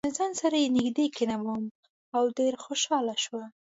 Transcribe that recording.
له ځان سره یې نژدې کېنولم او ډېر خوشاله شو.